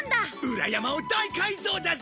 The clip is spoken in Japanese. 裏山を大改造だぜ